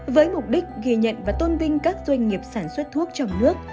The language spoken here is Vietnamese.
với mục đích ghi nhận và tôn vinh các doanh nghiệp sản xuất thuốc trong nước